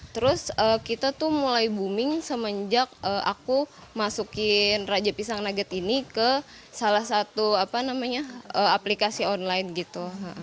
terus kita tuh mulai booming semenjak aku masukin raja pisang nugget ini ke salah satu aplikasi online gitu